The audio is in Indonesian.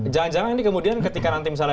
jangan jangan ini kemudian ketika nanti misalnya